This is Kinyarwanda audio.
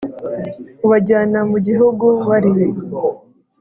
Ubajyana mu gihugu wari